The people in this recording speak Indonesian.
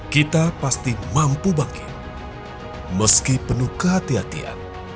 kita pasti mampu bangkit meski penuh kehatian